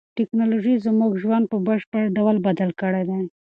تکنالوژي زموږ ژوند په بشپړ ډول بدل کړی دی.